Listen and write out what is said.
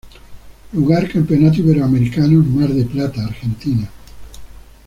Lugar Campeonato Iberoamericanos Mar de Plata, Argentina.